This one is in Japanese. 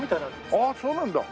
ああそうなんだ。